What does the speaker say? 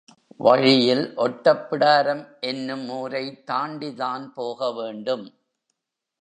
வழியில் ஒட்டப்பிடாரம் என்னும் ஊரைத் தாண்டிதான் போக வேண்டும்.